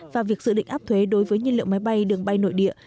và việc dự định áp thuế đối với nhiên liệu máy bay đường bay nội địa